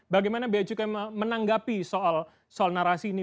bagaimana becuka menanggapi soal narasi ini